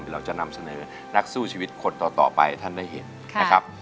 เราจะนำเสนอนักสู้ชีวิตคนต่อไปให้ท่านได้เห็นนะครับ